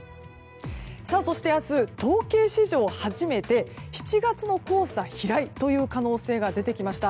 そして明日、統計史上初めて７月の黄砂飛来という可能性が出てきました。